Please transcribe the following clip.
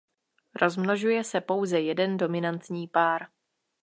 Rozmnožuje se pouze jeden dominantní pár.